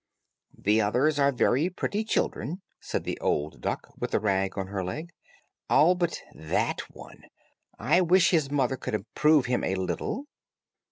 "The others are very pretty children," said the old duck, with the rag on her leg, "all but that one; I wish his mother could improve him a little."